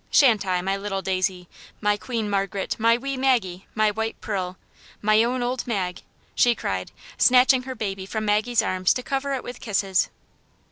Sha'n't I, my little. Daisy, my Queen Mar garet, my wee Maggie, my white Pearl, my own old Magi" she cried, snatching her baby from Maggie's arms to cover it with kisses.